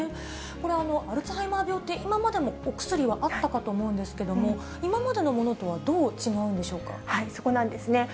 これ、アルツハイマー病って、今までもお薬はあったかと思うんですけども、今までのものとはどそこなんですね。